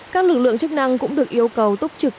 các lực lượng chức năng cũng được yêu cầu túc trực